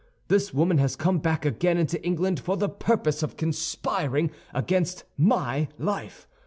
This woman has come back again into England for the purpose of conspiring against my life.